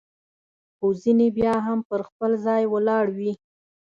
خو ځیني بیا هم پر خپل ځای ولاړ وي.